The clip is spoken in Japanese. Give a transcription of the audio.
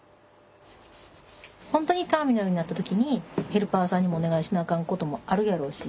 本当にターミナルになった時にヘルパーさんにもお願いしなあかんこともあるやろうし。